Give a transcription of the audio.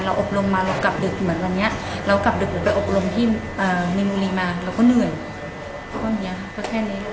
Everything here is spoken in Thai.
เรากลับบ้านเราไปประดับกลับจะบอกว่าตอนดูเป็น